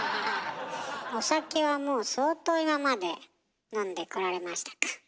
お酒はもう相当今まで飲んでこられましたか？